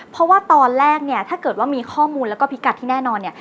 เพราะว่าตอนแรกเนี่ยถ้าเกิดว่ามีข้อมูลแล้วก็พิกัดที่แน่นอนเนี่ย